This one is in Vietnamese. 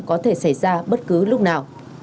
có thể xảy ra bất cứ lúc nào